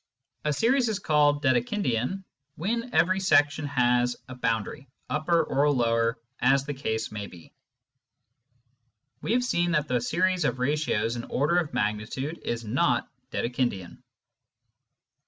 A series is called " Dedekindian " when every section has a boundary, upper or lower as the case may be. We have seen that the series of ratios in order of magnitude is not Dedekindian.